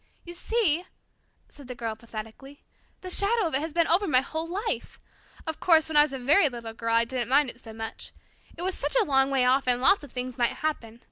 "You see," said the Girl pathetically, "the shadow of it has been over my whole life. Of course, when I was a very little girl I didn't mind it so much. It was such a long way off and lots of things might happen.